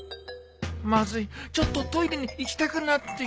まずいちょっとトイレに行きたくなってきたな